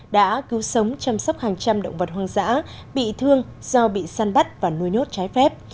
đã cứu sống chăm sóc hàng trăm động vật hoang dã bị thương do bị săn bắt và nuôi nhốt trái phép